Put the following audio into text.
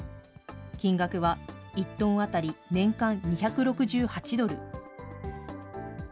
金額は、１トン当たり年間２６８ドル。